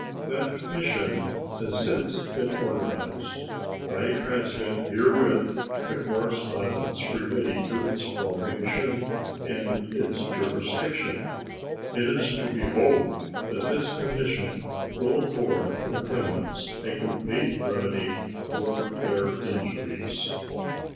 That commission has since been organized. I transmit herewith the correspondence relating to its formation and its jurisdiction. It is to be hoped that this commission will afford the claimants a complete remedy for their injuries.